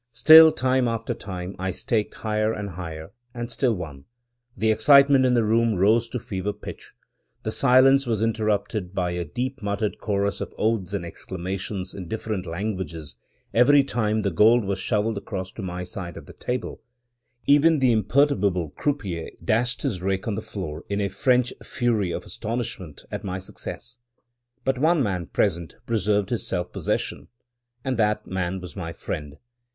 Still, time after time, I staked higher and higher, and still won. The excitement in the room rose to fever pitch. The silence was interrupted by a deep muttered chorus of oaths and exclamations in different languages, every time the gold was shoveled across to my side of the table — even the imperturbable croupier dashed his rake on the floor in a (French) fury of astonishment at my success. But one man present preserved his self possession, and that man was my friend.